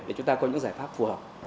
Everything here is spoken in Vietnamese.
để chúng ta có những giải pháp phù hợp